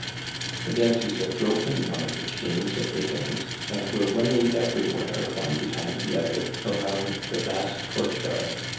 The dancers had broken one of the chains of their dance, and were running everywhere, one behind the other, around the vast court yard.